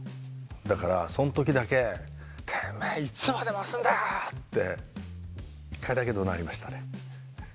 だからその時だけ「てめえいつまで回すんだよ！」って１回だけどなりましたね。